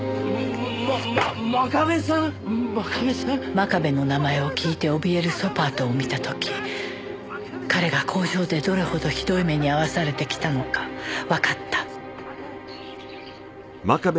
真壁の名前を聞いておびえるソパートを見た時彼が工場でどれほどひどい目に遭わされてきたのかわかった。